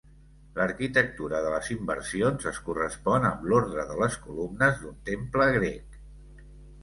L'arquitectura de les inversions es correspon amb l'ordre de les columnes d'un temple grec.